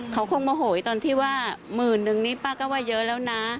เขาคงโมโหยตอนที่ว่าหมื่นนึงนี่ป้าก็ว่าเยอะแล้วนะ